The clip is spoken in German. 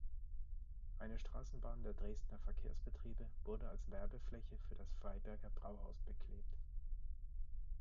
Eine Straßenbahn der Dresdner Verkehrsbetriebe wurde als Werbefläche für das Freiberger Brauhaus beklebt.